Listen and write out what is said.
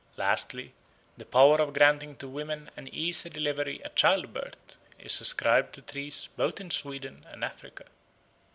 Lastly, the power of granting to women an easy delivery at child birth is ascribed to trees both in Sweden and Africa.